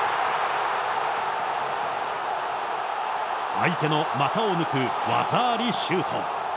相手の股を抜く技ありシュート。